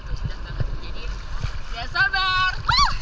jadi jangan sabar